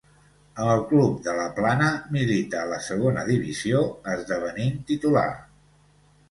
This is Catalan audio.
Amb el club de la Plana milita a la Segona Divisió, esdevenint titular.